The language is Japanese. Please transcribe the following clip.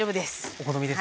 お好みですね。